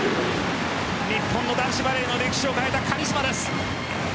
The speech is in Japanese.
日本の男子バレーの歴史を変えたカリスマです。